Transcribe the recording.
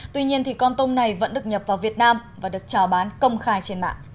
tuy nhiên con tôm này vẫn được nhập vào việt nam và được trào bán công khai trên mạng